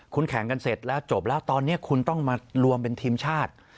คุณแข่งกันเสร็จแล้วจบแล้วตอนนี้คุณต้องมารวมเป็นทีมชาติ